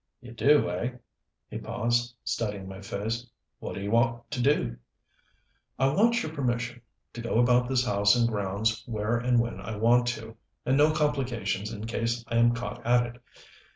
"You do, eh?" He paused, studying my face. "What do you want to do?" "I want your permission to go about this house and grounds where and when I want to and no complications in case I am caught at it.